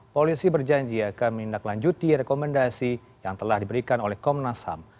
polisi berjanji akan menindaklanjuti rekomendasi yang telah diberikan oleh komnas ham